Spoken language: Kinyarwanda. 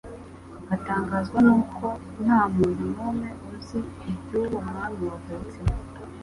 Batangazwa nuko nta muntu numwe uzi iby'uwo Mwami wavutse.